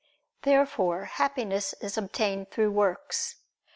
Therefore Happiness is obtained through works.